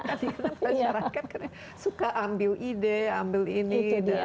karena masyarakat suka ambil ide ambil ini